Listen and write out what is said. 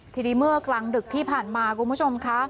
ทีนี้เมื่อกลางดึกที่ผ่านมาคุณผู้ชมค่ะ